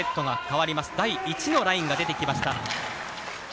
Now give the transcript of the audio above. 第１のラインが出てきました。